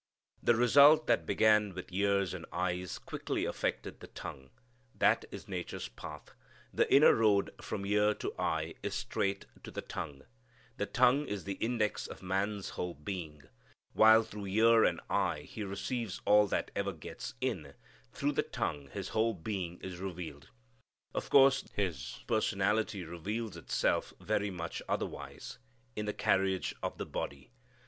The result that began with ears and eyes quickly affected the tongue. That is nature's path. The inner road from ear and eye is straight to the tongue. The tongue is the index of man's whole being. While through ear and eye he receives all that ever gets in, through the tongue his whole being is revealed. Of course his personality reveals itself very much otherwise. In the carriage of the body.